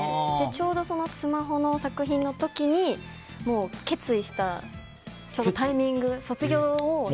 ちょうどそのスマホの作品の時にもう、決意したタイミング卒業を。